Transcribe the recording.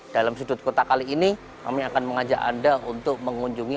dalam sudut kota kali ini kami akan mengajak anda untuk mengunjungi